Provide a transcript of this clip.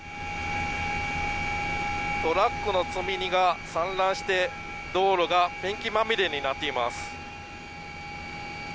「トラックの積み荷が散乱して道路がペンキまみれになっています」